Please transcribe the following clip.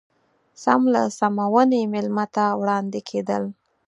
سم له سمونې مېلمه ته وړاندې کېدل.